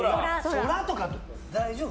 ソラとか大丈夫？